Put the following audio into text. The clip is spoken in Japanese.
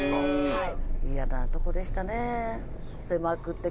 はい。